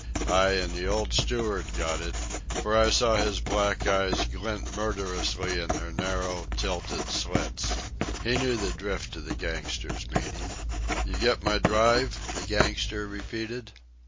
Ay, and the old steward got it; for I saw his black eyes glint murderously in their narrow, tilted slits. He knew the drift of the gangster's meaning. "You get my drive?" the gangster repeated.